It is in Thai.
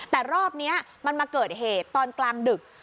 แต่รอบนี้มันมาเกิดเหตุตอนกลางดึก